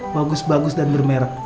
bagus bagus dan bermerek